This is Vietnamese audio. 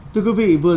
thưa quý vị vừa rồi là